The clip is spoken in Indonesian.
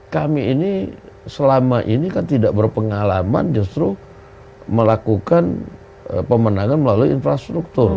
kami ini selama ini kan tidak berpengalaman justru melakukan pemenangan melalui infrastruktur